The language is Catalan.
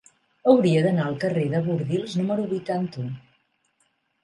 Hauria d'anar al carrer de Bordils número vuitanta-u.